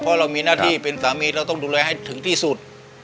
เพราะเรามีหน้าที่เป็นสามีเราต้องดูแลให้ถึงที่สุด